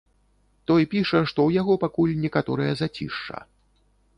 Той піша, што ў яго пакуль некаторае зацішша.